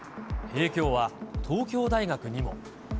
影響は東京大学にも。